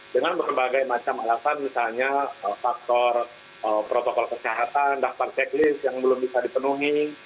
dengan berbagai macam alasan misalnya faktor protokol kesehatan daftar checklist yang belum bisa dipenuhi